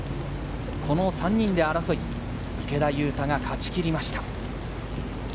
この３人で争い、池田勇太が勝ち切りました。